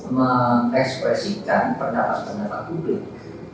mengekspresikan pendapat pendapat publik